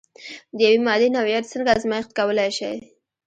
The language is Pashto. د یوې مادې نوعیت څنګه ازميښت کولی شئ؟